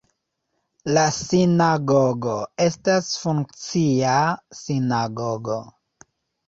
La sinagogo estas funkcia sinagogo.